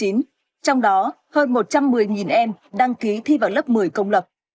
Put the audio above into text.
trong đó hơn một trăm một mươi em đăng ký thi vào lớp một mươi công lập